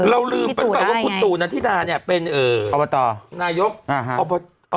เราลืมเป็นแบบว่าคุณตู่นันทิดาเนี้ยเป็นเอออบตนายกอ่าฮะ